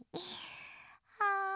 はあ。